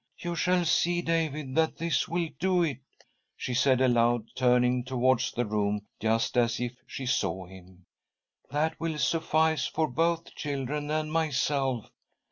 "You shall see, David, that this will do it!" she said aloud, turning towards the room just as if she saw him. " That will suffice for both children and myself.